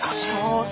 そう！